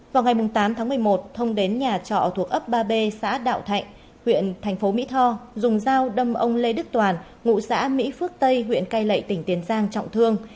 vào ngày tám tháng một mươi một thông đến nhà trọ thuộc ấp ba b xã đạo thạnh huyện thành phố mỹ tho dùng dao đâm ông lê đức toàn ngụ xã mỹ phước tây huyện cai lệ tỉnh tiền giang trọng thương